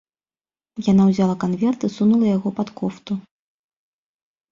Яна ўзяла канверт і сунула яго пад кофту.